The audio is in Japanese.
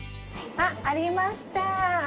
あっありました！